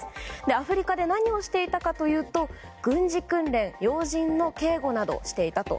アフリカで何をしていたかというと軍事訓練、要人の警護などをしていたと。